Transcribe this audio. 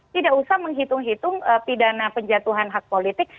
tidak usah menghitung hitung pidana penjatuhan hak politik